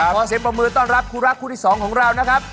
ขอเสียงปรบมือต้อนรับคู่รักคู่ที่๒ของเรานะครับ